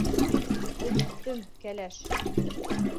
Бөттөм, кәләш!